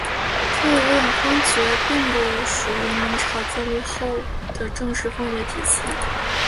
这五等封爵并不属于明朝建立后的正式封爵体系。